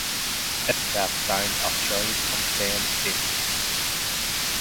Epitaph signed Australian punk band Dangerous!